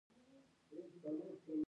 هېڅوک زما له اجازې پرته کرکیله نشي کولی